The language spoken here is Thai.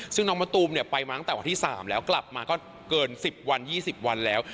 ซึ่งน้องมะตูมไปมาตั้งแต่วันที่๓แล้วกลับมาก็เกิน๑๐วัน๒๐วันแล้ว